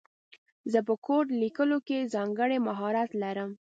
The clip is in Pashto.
زه په کوډ لیکلو کې ځانګړی مهارت لرم